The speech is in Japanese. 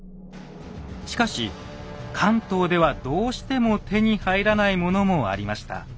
しかし関東ではどうしても手に入らないものもありました。